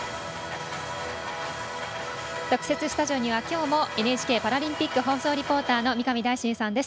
特設スタジオには、きょうもＮＨＫパラリンピック放送リポーターの三上大進さんです。